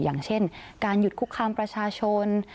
อย่างเช่นการหยุดคุกคามประชาชน